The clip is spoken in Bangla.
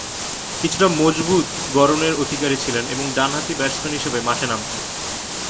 কিছুটা মজবুত গড়নের অধিকারী ছিলেন ও ডানহাতি ব্যাটসম্যান হিসেবে মাঠে নামতেন।